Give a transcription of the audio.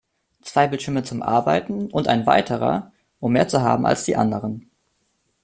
Zwei Bildschirme zum Arbeiten und ein weiterer, um mehr zu haben als die anderen.